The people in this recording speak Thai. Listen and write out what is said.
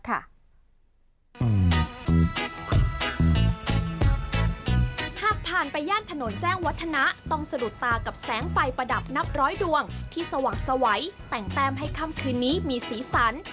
หากผ่านไปย่านถนนแจ้งวัฒนะต้องสะดุดตากับแสงไฟประดับนับร้อยดวงที่สว่างสวัยแต่งแต้มให้ค่ำคืนนี้มีสีสัน